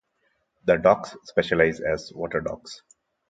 The dogs specialize as water dogs.